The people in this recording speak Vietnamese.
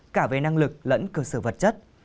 cả về năng lực lẫn cơ sở vật chất